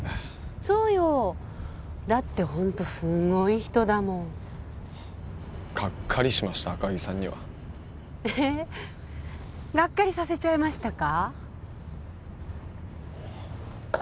そうよだってホントすごい人だもんガッカリしました赤城さんにはへえガッカリさせちゃいましたかあ？